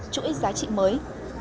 chuỗi giá trị mới